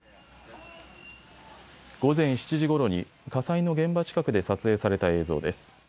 午前７時ごろに火災の現場近くで撮影された映像です。